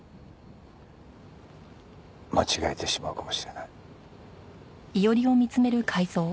間違えてしまうかもしれない。